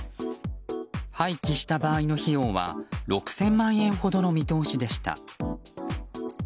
廃棄した場合の費用は６０００万円ほどの見通しでした。